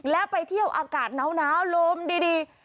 แล้วไปเที่ยวอากาศหนาวลมดี